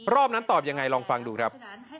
รอบนั้นตอบยังไงลองฟังดูครับ